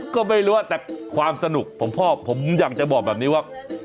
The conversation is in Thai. ก็ไม่รู้แต่ความสนุกของพ่อผมอยากจะบอกแบบนี้ว่า